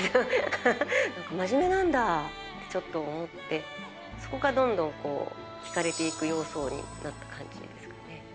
なんか真面目なんだって、ちょっと思って、そこからどんどんひかれていく様相になったって感じですかね。